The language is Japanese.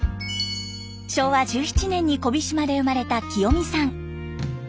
昭和１７年に小飛島で生まれたキヨミさん。